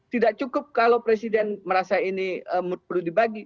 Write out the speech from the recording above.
tidak cukup kalau presiden merasa ini perlu dibagi